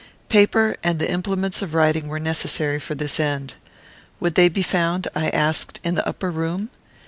Paper and the implements of writing were necessary for this end. Would they be found, I asked, in the upper room?